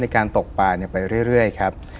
การตกป่าไปเรื่อยครับ